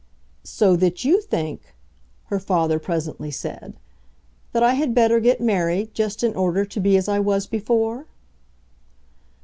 "So that you think," her father presently said, "that I had better get married just in order to be as I was before?"